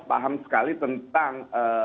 paham sekali tentang